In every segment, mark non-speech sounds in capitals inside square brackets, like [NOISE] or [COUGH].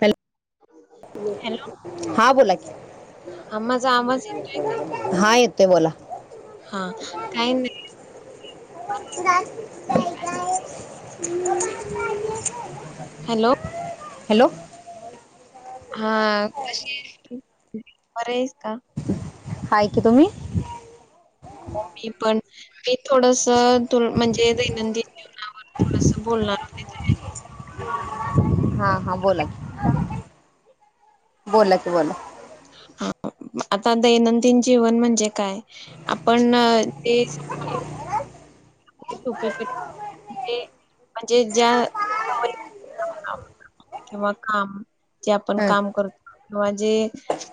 Hello, hello हा बोला की, हा माझा आवाज येतो ये का? ते बोला. हा काही नाही [UNINTELLIGIBLE] गाय गाय हॅलो [UNINTELLIGIBLE] हॅलो, हा कशी है बरीहईस? हाई कि तुम्ही? हो मी पण मी थोडस तुला म्हणजे दैनंदिन जीवनात - मी पण थोडंस बोलणार तर हे, - हा हा बोला होते. की बोला कि बोला. हा आता दैनंदिन जीवन म्हणजे काय आपण ते सकाळी उठ सकाळी लवकर म्हणजे म्हणजे ज्या सवयी किंवा काम की आपण हम्म काम कर म्हजे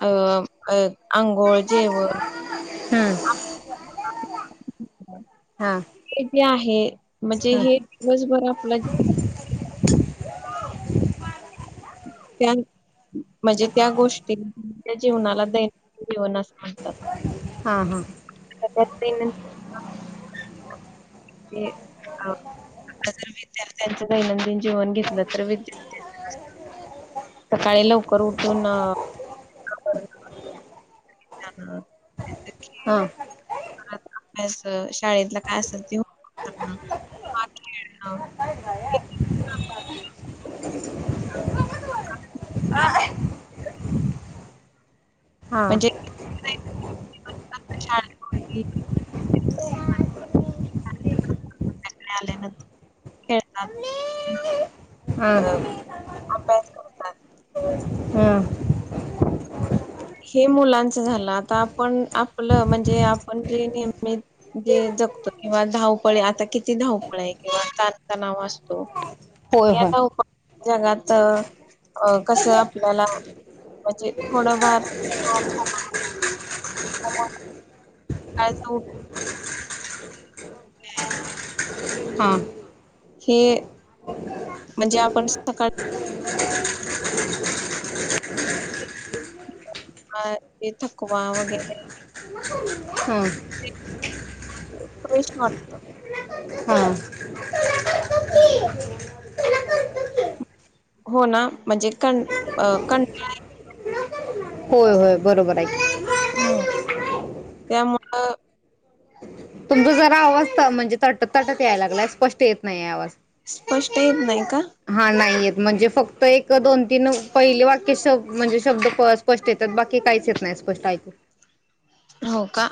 अं अ अंघोळ जेवण हम्म [INAUDIBLE] हा हे जे आहे म्हणजे हम्म हे दिवसभर आपलं त्या म्हणजे त्या गोष्टी [UNINTELLIGIBLE] जीवनाला दैन जीवनास म्हणतात. हा हा. [INAUDIBLE] ते आ आता जर विद्यार्थ्यांचं दैनंदिन जीवन घेतलं तर विद्यार्थ्यांच कसलं सकाळी लवकर उठून [UNINTELLIGIBLE] [INAUDIBLE] हं. परत अभ्यास शाळेतलं काय असेल ते [UNINTELLIGIBLE] [INAUDIBLE] [INAUDIBLE] हां. म्हणजे [INAUDIBLE] [UNINTELLIGIBLE] आल्यानंतर खळतात हां. अभ्यास करतात. हे मुलांच झालं आता आपण आपलं म्हणजे आपण जे नेह णे जगतो किंवा धावपळे आता किती धावपळ हाय किंवा चालताना वाजतो. होय होय याचं उपाय जगात अ कसं आपल्याला म्हजे थोडंफार [UNINTELLIGIBLE] [UNINTELLIGIBLE] काय सा दे हाय ना हा हे म्हणजे आपण सकाळ अं ते थकवा वगैरे प्रवेश [UNINTELLIGIBLE] हा हो ना म्हणजे कण हा कंटाळ होय होय बरोबर हाय ह त्यामुळं तुमच जरा आवाज त म्हणजे तटत तटत यायला लागलाय स्पष्ट येत नाही आवाज. स्पष्ट येत नाई का? हा नाई येत म्हणजे फक्त एक दोन तीन पहिले वाक्य श म्हणजे शब्द स्पष्ट येतात बाकी काहीच येत नाय स्पष्ट ऐकू. हो का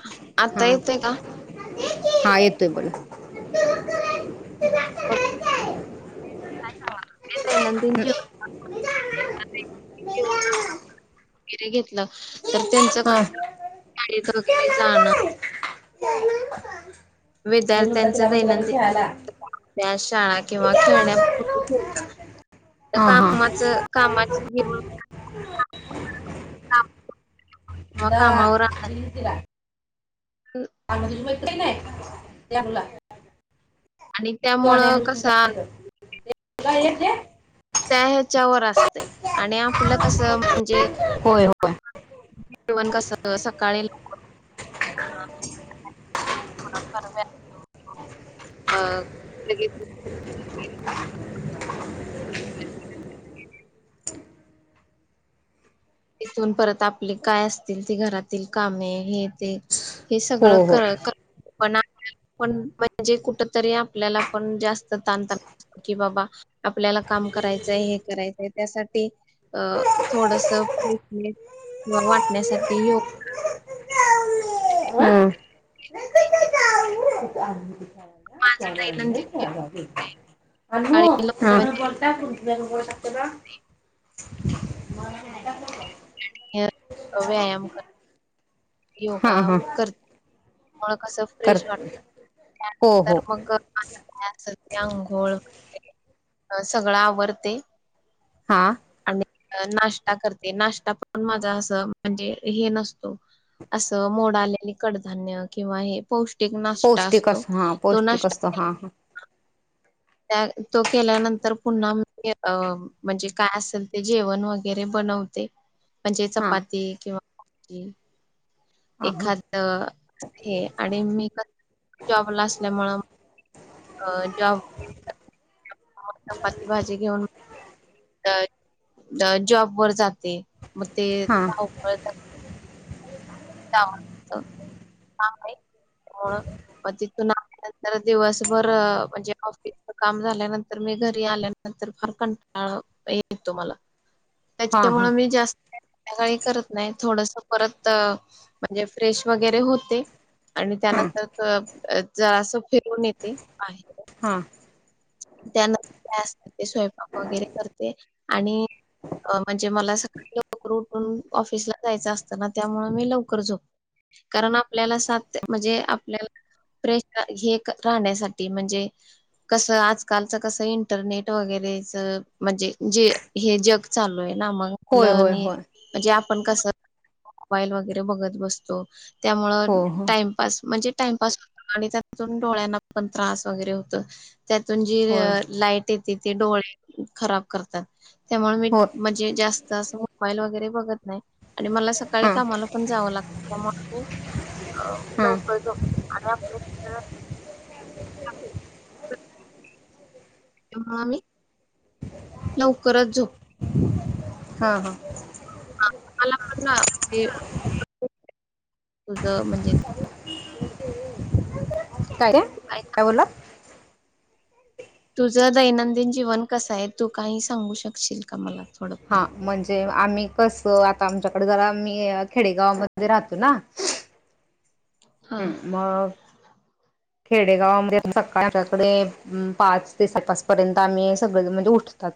आता हा येतय का? हा येतोय बगा. [UNINTELLIGIBLE] नंदीन जेवाय [INAUDIBLE] वगैरे घेतलं तर त्यांच कस गाडीत वगैरे जाणं विद्यार् तुला पण तुला पण खेळायला त्या शाळा किंवा खेळण्या [UNINTELLIGIBLE] हा हा कामाच कामा [UNINTELLIGIBLE] मग दा कामावर दिली तिला हम [UNINTELLIGIBLE] आणि त्यामुळं कसा ते का येते त्या ह्याच्यावर असते आणि आपलं कस म्हणजे होय होय जेवण कसे सकाळी लवकर होते [UNINTELLIGIBLE] अ लगेच तिथून परत आपले काय असतील तेी घरातील कामे हे ते हे सगळं हो हो कर पणा पण म्हणजे कुठ तरी आपल्याला पण जास्त ताण तणत की बाबा आपल्याला काम करायचंय हे करायचंय त्यासाठी अ थोडस भेटणे वाटण्यासाठी योग हम्म. [UNINTELLIGIBLE] माझं दैनंदिनी आणि [UNINTELLIGIBLE] हे व्यायाम कर हा योगा हा करते कस फ्रेश कर वाटत हो हो त्यानंतर मग माझे काय असेल ते अंघोळ सगळं आवरते हा आणि नाश्ता करते नाश्ता पण माझा असं म्हणजे हे नसतो असं मोड आलेली कडधान्य किंवा हे पौष्टिक नाश्ता पौष्टिक असतो अस हा तो पौष्टिक असतो नाश्ता हा त्या तो केल्यानंतर पुन्हा म अ म्हणजे काय असेल ते जेवण वगैरे बन व म्हणजे हा चपाती किंवा हा एखाद हे आणि मी जॉबला असल्यामुळें अ ज चपाती भाजी घेऊन अ जॉब वर जाते मग ते हा हा धावपळ [UNINTELLIGIBLE] म्हणून तिथून आल्यानंतर दिवसभर म्हणजे ऑफिस काम झाल्यानंतर मी घरी आल्यानंतर फार कंटाळा येतो मला हा हा त्यांच्यामुळे हा मी जास्त काही संध्याकाळी करत नाही थोडस परत म्हणजे फ्रेश वगैरे होते आणि हा त्यानंतर त जरा असं फिरून येते आहे हा त्यानंतर काय असते ते स्वयंपाक वगैरे करते आणि म्हणजे मला सकाळी लवकर उठून ऑफिसला जायचं असतं ना त्यामुळे मी लवकर झोपतो कारण आपल्याला सात म्हणजे आपल्याला प्रेशर हे राहण्यासाठी म्हणजे कसं आज कालचं कसं इंटरनेट वगैरेच म्हणजे जे हे जग चालू आहे ना मग मुलं होय होय आणि होय म्हणजे आपण कस मोबाईल वगैरे बघत बसतो त्यामुळं हो हो टाईमपास म्हणजे टाईमपास होत आणि त्यातून डोळ्यांना पण त्रास वगैरे होत त्या होय जे लाईट येते ते डोळे खराब करतात त्यामुळे मी होय म्हणजे जास्त असं मोबाईल वगैरे बघत नाही आणि मला सकाळी हां कामाला पण जावं लागतं त्यामुळे हां लवकर झोपते आणि लवकर आपल्या त्यामुळे आम्ही लवकरच झोपतो हा हा ह मला पण ना म्हणज तुझ म्हणजे काय का काय कावला तुझं दैनंदिन जीवन कसं आहे तू काही सांगू शकशील का मला थोडंफार? हा म्हणजे आम्ही कस आता आमच्याकडे जरा मी खेडेगाव मध्ये राहतो ना हां हम् म खेडेगावमध्ये सकाळी आमच्याकडे पाच ते सहा पाच पर्यंत आम्ही सगळे म्हणजे उठ तत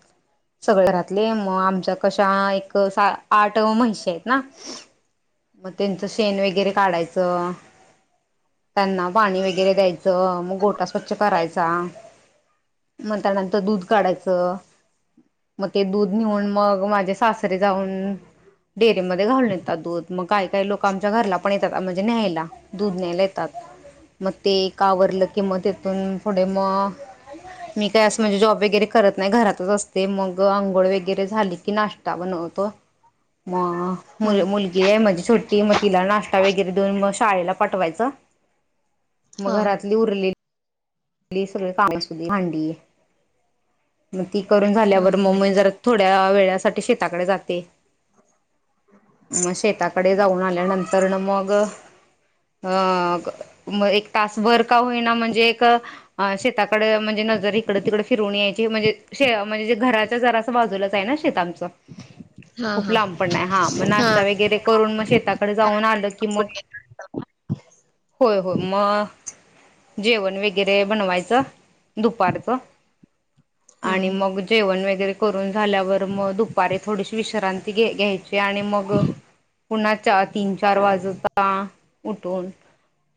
सगळे घरातले मग आमच्या कशा एक आठ म्हशी आहेत ना मग त्यांचं शेण वगैरे काढायचं त्यांना पाणी वगैरे द्यायचं मग गोटा स्वच्छ करायचा मग त्यानंतर दूध काढायचं मग ते दूध नऊन मग माझे सासरे जाऊन डेरीमध्ये घालून येतात दूध मग काय काय लोक आमच्या घरला पण येतात म्हणजे न्यायला दूध न्यायला येतात मग ते का आवरलं की मग तेथून पुढ मग मी काय असं म्हणजे जॉब वगैरे करत नाही घरातच असते मग आंघोळ वगैरे झाली की नाश्ता बन खप मग मु हं मुलगी आहे म्हझी छोटी मग तिला नाश्ता वगैरे देऊन मग शाळेला पाठवायचं [INAUDIBLE] मग घरातली उरलेली सग भांडी मग ती करून हां झाल्यावर म जरा थोड थड्या वेळासाठीठी शेताकडे जाते म शेताकडे जाऊन आल्यानंतर न मग अ म एक तास वर का होईना म्हणजे श म्हणजे नजर इतडे फिरवून यायची म्हणजे घराच्या जरा जूलाच ना शेत आच हां खूप हां लांबपण आहे हा मग हां नाश्ता वगैरे करून मग शेताकडे हां जाऊन आलं की मग [INAUDIBLE] होय हो मग जेवण वेग वरे बनवायच दुपारच आणि हं हं. मग जेवण वग वगैरे करून झाल्यावर मग दुपारी थोडीशी विश्रांती घ घ्यायची आणि मग पुणाच्या तीन चार वाजचा उठून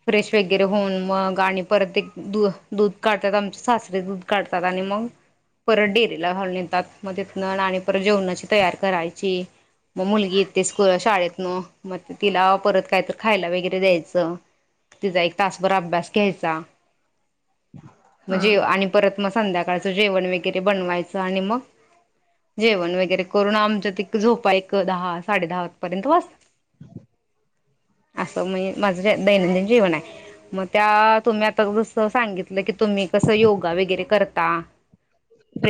फ्रेश वगैरे होऊन मग गाणी परत एक दू दूध काढतात आमचे सासरे दूध काढतात आणि मग परत डेअरीला घालून येतात मग तिथन आणि परत जेवणाची तयारी करायची मग मुलगी इे स्कूल शाळेत न मग तिला परत कायत खायला वगैरे द्यायचं तिचा एक तासभर अभ्यास घ्यायचा हां म्हणजे आणि परत मग संध्याकाळचं जेवण वगैरे बनवायचं आणि मग जेवण वगैरे करून आमच्या त झोपा एक दहा साडे दहा पर्यंत वाचत ह असं म्हण माझं दैनंदिन जीवन आहे मग त्या तुम्ही आता सांगितलं की तुम्ही कस योगा वगैरे करता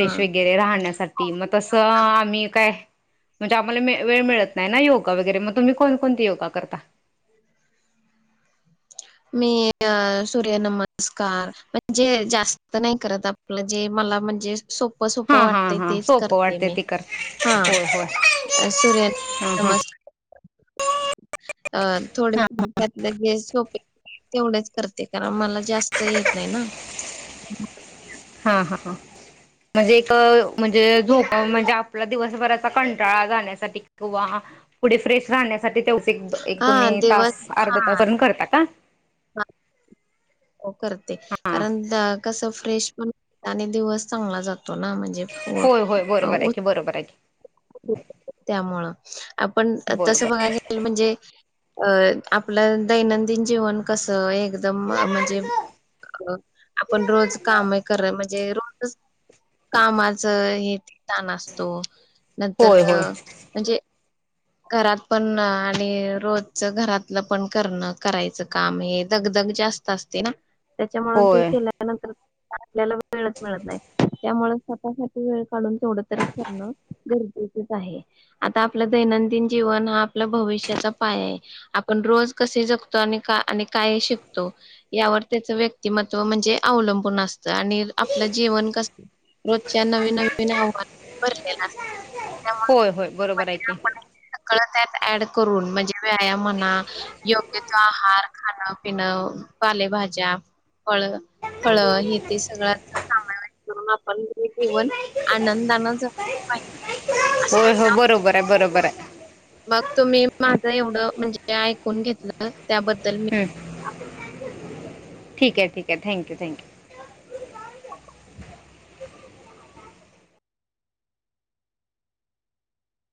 हां वगैरे राहण्यासाठी मग तसं आम्ही काय म्हणजे आम्हाला वेळ मिळत नाही ना योगा वगैरे मग तुम्ही कोणकोणती योगा करता ह मी सूर्य नमस्कार म्हणजे जास्त नाही करत आपलं जे मला म्हणजे सोप सोप हा हा वाटत हा तेच सोपं करते वाटते मी ती कर हा होय होय सूर्यन हा हा नमस्कार हा [INAUDIBLE] तेवढेच करते कारण मला जास्त येत नाही ना हा हा हा [INAUDIBLE] म्हणजे एक म्हणजे झोप म्हणजे आपला दिवसभराचा कंटाळा जाण्यासाठी किंवा पुढे फ्रेश राहण्यासाठी तेवचे हा तुम्ही दिवस तास अर्धा तासून करता का हा हो करते कारण कस फ्रेश पण आणि दिवस चांगला जातो ना म्हणजे व होय होय बरोबर आहे की बरोबर आहे की त्यामुळं आपण तसं बरोबर. बघाय गेल म्हणजे अ आपलं दैनंदिन जीवन कसं एक एकदम म्हणजे आपण रोज काम करा म्हणजे म्हणजे रोज कामाच हे तेथण असतो नंतर होय होय म्हणजे घरात पण आणि रोज घरातलं पण करणं करायचं काम हे दगद ग जास्त असते ना त्याच्यामुळेन ते होय. केल्यानंतर आपल्याला वेळच मिळत नाही त्यामुळे स्वतःसाठी वेळ काढून थोडातरी करणं गरजेच आहे आता आपलं दैनंदिन जीवन हा आपल्या भविष्याचा पाय आहे आपण रोज कसे जगतो आणि आणि काय शिक तो यावर त्याच व्यक्तिमत्व म्हणजे अवलंबून असत आणि आपलं जीवन कस रोजच्या नवीन नवीन आव्हान बरलेला असत होय होय बरोबर आहे की सगळं त्यात करून म्हणजे व्यायाम योग्य त आहार खाण पिन पालेभाजी फळ फळ हे ते सगळ म्हण आपण हे जीवण आनंदान जगलं पाहिजे हो असं हो बरोबर आहे बरोबर आहे मग तुम्ही माझं एवढं म्हणजे ऐकून घेतलं त्याबद्दल मी हम्म. ठीक आहे ठीक आहे थँक्यू थँक्यू